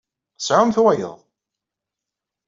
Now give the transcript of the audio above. Sɛumt wayeḍ.